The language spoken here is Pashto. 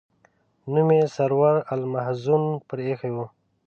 نوم یې سرور المحزون پر ایښی و.